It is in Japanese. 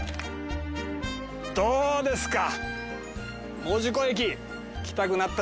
どうですか？